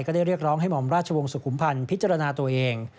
ได้เรียกร้องให้หม่อมราชวงศุมพันธ์พิจารณาตัวเอง